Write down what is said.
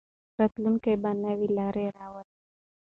راتلونکی به نوې لارې راولي.